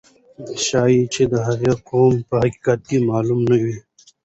ښایي چې د هغې قوم په حقیقت کې معلوم نه وي.